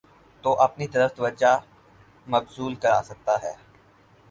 تواپنی طرف توجہ مبذول کراسکتاہے۔